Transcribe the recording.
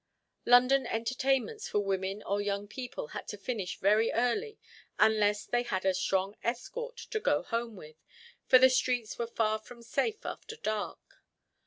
London entertainments for women or young people had to finish very early unless they had a strong escort to go home with, for the streets were far from safe after dark.